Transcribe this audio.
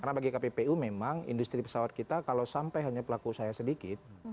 karena bagi kppu memang industri pesawat kita kalau sampai hanya pelaku usaha sedikit